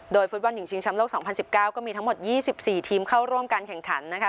ฟุตบอลหญิงชิงช้ำโลก๒๐๑๙ก็มีทั้งหมด๒๔ทีมเข้าร่วมการแข่งขันนะคะ